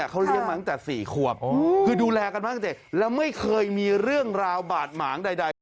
เขาเลี้ยงมาตั้งแต่๔ขวบคือดูแลกันมากจริงแล้วไม่เคยมีเรื่องราวบาดหมางใด